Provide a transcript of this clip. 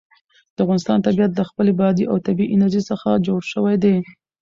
د افغانستان طبیعت له خپلې بادي او طبیعي انرژي څخه جوړ شوی دی.